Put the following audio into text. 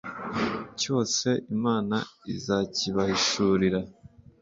cyose imana izakibahishurira